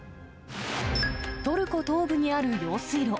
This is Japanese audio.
トルコ東部にある用水路。